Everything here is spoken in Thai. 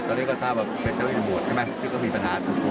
ดสาวไทยมันไม่ควรเกิดนะไม่ควรเกิดอย่างนี้เลย